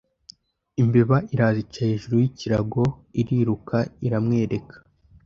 Imbeba iraza ica hejuru y’ ikirago iriruka iramwereka